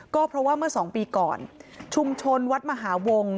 ก็เพราะว่าเมื่อสองปีก่อนชุมชนวัดมหาวง